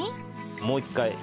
もう一回。